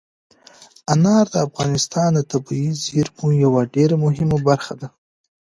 انار د افغانستان د طبیعي زیرمو یوه ډېره مهمه برخه ده.